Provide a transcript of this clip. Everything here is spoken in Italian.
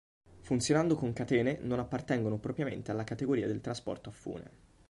Funzionando con catene non appartengono propriamente alla categoria del trasporto a fune.